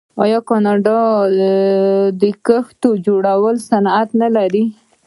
آیا کاناډا د کښتیو جوړولو صنعت نلري؟